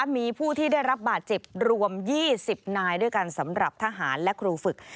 มีผู้ที่ได้รับบาดเจ็บรวม๒๐นายด้วยกันสำหรับทหารและครูฝึก